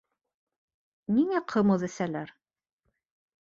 Ниңә ҡымыҙ әсәләр?